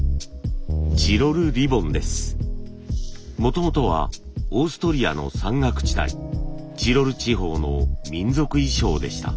もともとはオーストリアの山岳地帯チロル地方の民族衣装でした。